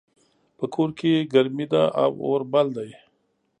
په کور کې ګرمي ده او اور بل ده